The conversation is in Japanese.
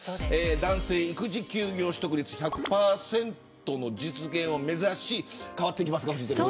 男性育児休業取得率１００％の実現を目指し変わってきますか。